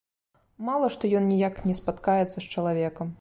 Мала, што ён ніяк не спаткаецца з чалавекам.